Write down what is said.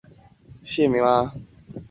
康氏宗祠的历史年代为清代。